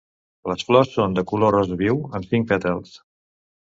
Les flors són de color rosa viu, amb cinc pètals.